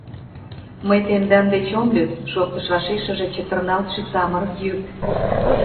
— Мый тендан деч ом лӱд, — шоктыш вашешыже чытырналтше самырык йӱк.